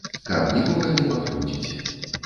Каб нікога не пакрыўдзіць.